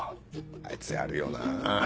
あいつやるよな。